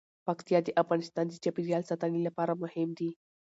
پکتیا د افغانستان د چاپیریال ساتنې لپاره مهم دي.